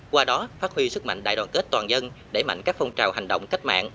qua đó phát huy sức mạnh đại đoàn kết toàn dân đẩy mạnh các phong trào hành động cách mạng